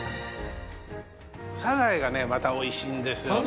サザエがねまたおいしいんですよ。